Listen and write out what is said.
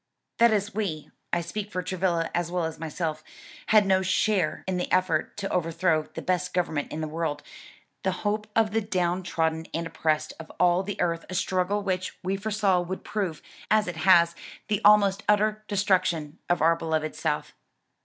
"That is we (I speak for Travilla as well as myself) had no share in the effort to overthrow the best government in the world, the hope of the down trodden and oppressed of all the earth a struggle which we foresaw would prove, as it has, the almost utter destruction of our beloved South.